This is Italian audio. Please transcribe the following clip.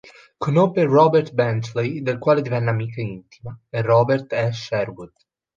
Conobbe Robert Benchley, del quale divenne amica intima, e Robert E. Sherwood.